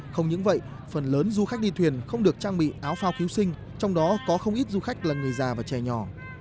không những vậy phần lớn du khách đi thuyền không được trang bị áo phao cứu sinh trong đó có không ít du khách là người già và trẻ nhỏ